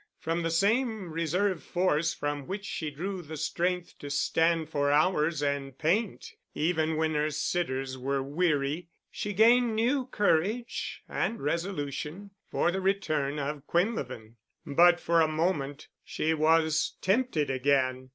From the same reserve force from which she drew the strength to stand for hours and paint even when her sitters were weary, she gained new courage and resolution for the return of Quinlevin. But for a moment she was tempted again.